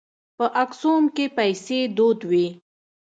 په اکسوم کې پیسې دود وې.